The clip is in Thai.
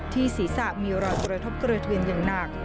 ที่ศีรษะมีรอดตรวจกระทบเกลือเทือนอย่างหนัก